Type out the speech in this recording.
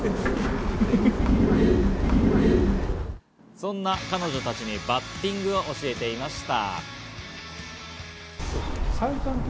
そんな彼女たちにバッティングを教えていました。